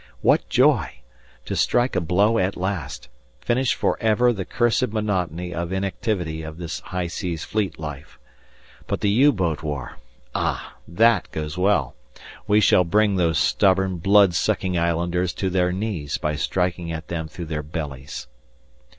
What joy! to strike a blow at last, finished for ever the cursed monotony of inactivity of this High Seas Fleet life. But the U boat war! Ah! that goes well. We shall bring those stubborn, blood sucking islanders to their knees by striking at them through their bellies.